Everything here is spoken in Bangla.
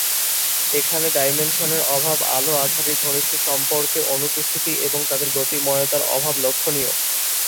এখানে ডাইমেনশনের অভাব, আলো অাঁধারির ঘনিষ্ট সম্পর্কের অনুপস্থিতি এবং তাদের গতিময়তার অভাব লক্ষণীয়।